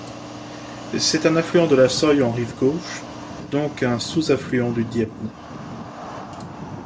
C'est un affluent de la Soj en rive gauche, donc un sous-affluent du Dniepr.